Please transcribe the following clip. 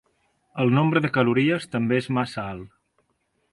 El nombre de calories també és massa alt.